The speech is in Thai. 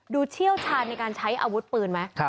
เชี่ยวชาญในการใช้อาวุธปืนไหม